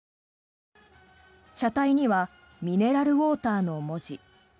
車体にはミネラルウォーターの文字。